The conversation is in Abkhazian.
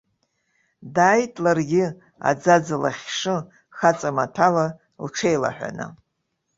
Дааит ларгьы, аӡаӡа лыхьшы, хаҵа маҭәала лҽеилаҳәаны.